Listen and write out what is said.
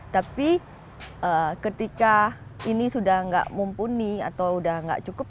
tapi ketika ini sudah tidak mumpuni atau sudah tidak cukup